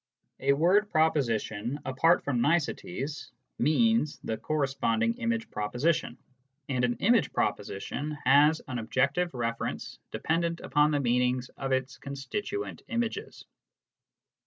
A word proposition, apart from niceties, " means " the corresponding image proposition, and an image proposition has an objective reference dependent upon the meanings of its constituent images.